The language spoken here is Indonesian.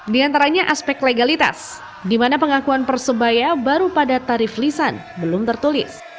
di antaranya aspek legalitas di mana pengakuan persebaya baru pada tarif lisan belum tertulis